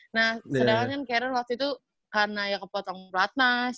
nah sedangkan karen waktu itu karena ya kepotong platmas